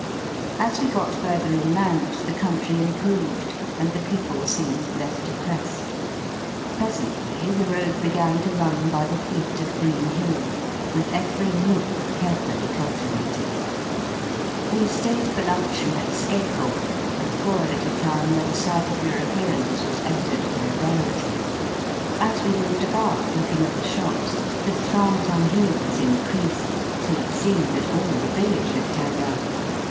As we got further inland the country improved and the people seemed less depressed. Presently the road began to run by the feet of green hills with every nook carefully cultivated. We stayed for luncheon at Skeko, a poor little town where the sight of Europeans was Digitized by VjOOQIC BY SEA AND LAND TO KIOTO. 65 evidently a rarity. As we moved about looking at the shops, the throng at our heels increased tUl it seemed that all the village had turned out.